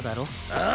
ああ？